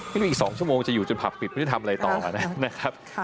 อีก๒ชั่วโมงจะอยู่จนผับปิดไม่รู้จะทำอะไรต่อนะครับ